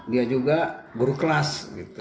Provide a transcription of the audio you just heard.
dia juga guru kelas